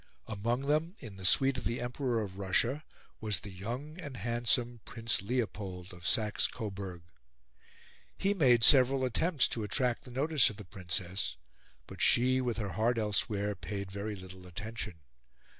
Among them, in the suite of the Emperor of Russia, was the young and handsome Prince Leopold of Saxe Coburg. He made several attempts to attract the notice of the Princess, but she, with her heart elsewhere, paid very little attention.